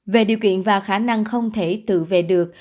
về điều kiện và khả năng không thể tự vệ được